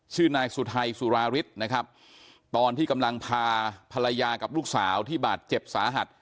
ชื่อนายสุทัยสุราฤทธิ์นะครับตอนที่กำลังพาภรรยากับลูกสาวที่บาดเจ็บสาหัส